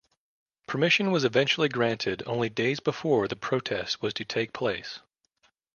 Permission was eventually granted only days before the protest was to take place.